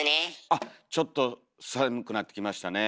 あちょっと寒くなってきましたね。